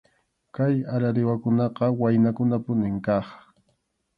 Kay arariwakunaqa waynakunapunim kaq.